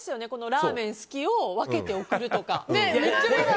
ラーメン、好きを分けて送るとか。